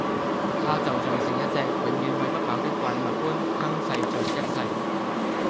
它就像是一隻永遠餵不飽的怪物般吞噬著一切